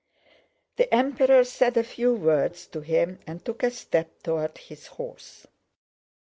The Emperor said a few words to him and took a step toward his horse.